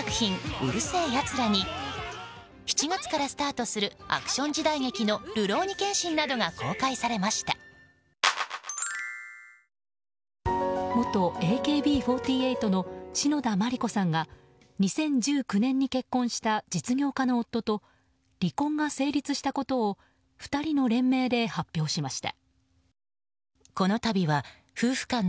「うる星やつら」に７月からスタートするアクション時代劇の「るろうに剣心」などが元ＡＫＢ４８の篠田麻里子さんが２０１９年に結婚した実業家の夫と離婚が成立したことを２人の連名で発表しました。